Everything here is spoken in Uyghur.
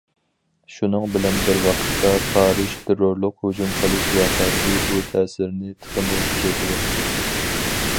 شۇنىڭ بىر ۋاقىتتا پارىژ تېررورلۇق ھۇجۇم قىلىش ۋەقەسى بۇ تەسىرنى تېخىمۇ كۈچەيتىۋەتتى.